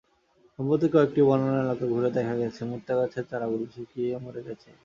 সম্প্রতি কয়েকটি বনায়ন এলাকা ঘুরে দেখা গেছে, মূর্তাগাছের চারাগুলো শুকিয়ে মরে গেছে।